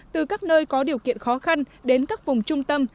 từ các nơi có điều kiện khó khăn đến các vùng trung tâm